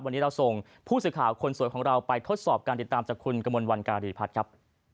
วันนี้เราส่งผู้สื่อข่าวคนสวยของเราไปทดสอบการติดตามจากคุณกระมวลวันการีพัฒน์ครับ